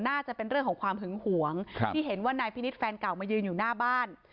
น่าจะเป็นเรื่องของความหึงหวงที่เห็นว่านายพินิษฐ์แฟนเก่ามายืนอยู่หน้าบ้าน